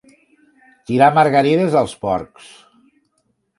Tirar margarides als porcs.